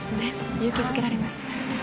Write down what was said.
勇気づけられます。